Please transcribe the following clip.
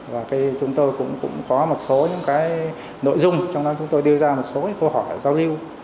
và chúng tôi cũng có một số những cái nội dung trong đó chúng tôi đưa ra một số câu hỏi giao lưu